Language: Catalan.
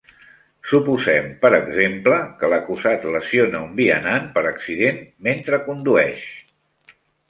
Suposem, per exemple, que l'acusat lesiona un vianant per accident mentre condueix.